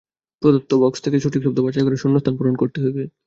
প্রদত্ত বক্স থেকে সঠিক শব্দ বাছাই করে শূন্যস্থান পূরণ করতে হবে।